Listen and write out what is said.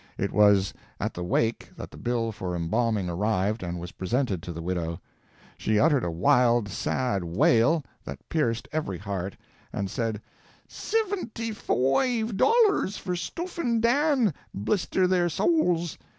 It was at the "wake" that the bill for embalming arrived and was presented to the widow. She uttered a wild, sad wail, that pierced every heart, and said: "Sivinty foive dollars for stooffin' Dan, blister their sowls!